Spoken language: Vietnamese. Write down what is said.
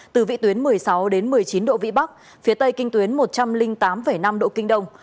từ vị tuyến một mươi sáu đến một mươi chín độ vĩ bắc phía tây kinh tuyến một trăm linh tám năm độ kinh đông